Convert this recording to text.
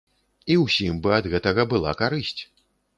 І ўсім бы ад гэтага была карысць.